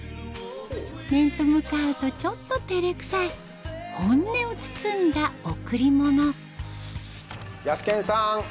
面と向かうとちょっと照れくさい本音を包んだヤスケンさん！